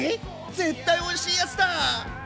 絶対おいしいやつだ！